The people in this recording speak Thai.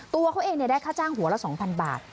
ตัวเขาเองได้ค่าจ้างหัวละ๒๐๐บาท